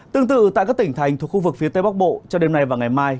tương tự tại các tỉnh thành thuộc khu vực phía tây bắc bộ cho đêm nay và ngày mai